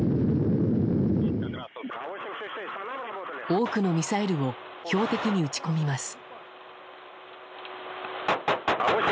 多くのミサイルを標的に撃ち込みます。